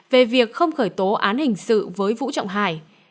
về việc không khởi tố án hình sự với vũ trọng hải